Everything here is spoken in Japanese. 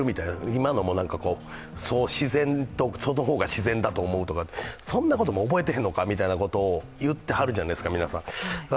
今のもその方が自然だと思うとか、そんなことも覚えてへんのかみたいなことを皆さん言ってはるじゃないですか。